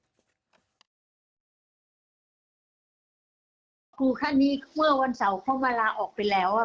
นี่ถ้าคูมีเป้าหมายผู้วันเสาร์ได้เงียบลงที